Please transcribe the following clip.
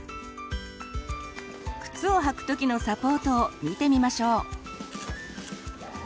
靴をはく時のサポートを見てみましょう。